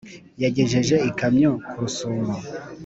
Yagejeje ikamyo ku rusumo.